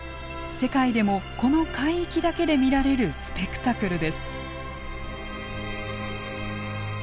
世界でもこの海域だけで見られるスペクタクルです。